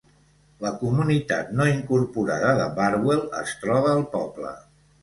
La comunitat no incorporada de Bardwell es troba al poble.